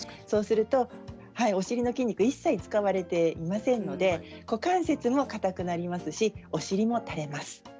そうするとお尻の筋肉が一切、使われていませんので股関節もかたくなりますしお尻も垂れます。